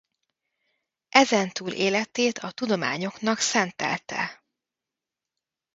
Ezentúl életét a tudományoknak szentelte.